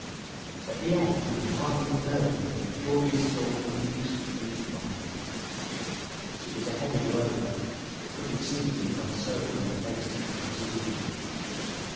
At the end he could hardly be heard for the furious storm of abuse which beat upon him. But it was a heavy blow—that could be seen in the concern on the faces of the presidium.